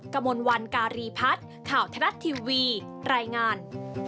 กะมลวัลกาลีพัดข่าวธนัดทิวีรายงาน